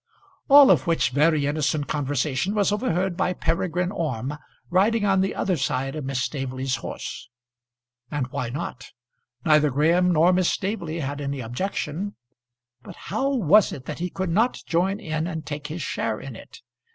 All of which very innocent conversation was overheard by Peregrine Orme, riding on the other side of Miss Staveley's horse. And why not? Neither Graham nor Miss Staveley had any objection. But how was it that he could not join in and take his share in it?